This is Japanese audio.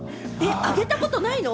あげたことないの？